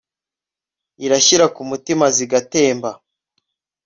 Irashyira ku mutima zigatemba